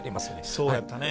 そうやったね。